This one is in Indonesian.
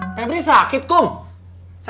si pebri sakit ceng jangan berisik